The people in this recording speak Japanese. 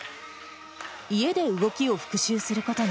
家で動きを復習することに。